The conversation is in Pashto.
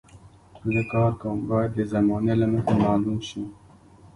زه کار کوم باید د زمانې له مخې معلوم شي.